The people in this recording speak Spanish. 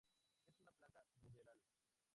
Es una planta ruderal.